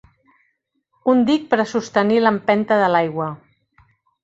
Un dic per a sostenir l'empenta de l'aigua.